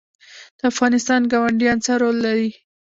د افغانستان ګاونډیان څه رول لري؟